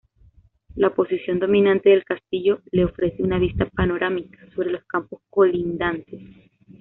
La posición dominante del castillo le ofrece una vista panorámica sobre los campos colindantes.